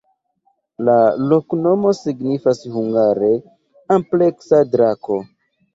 La loknomo signifas hungare: ampleksa-drako.